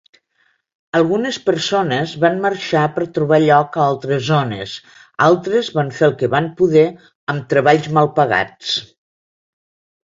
Algunes persones van marxar per trobar lloc a altres zones; altres van fer el que van poder amb treballs mal pagats.